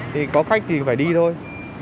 thì có khách thì phải đi thôi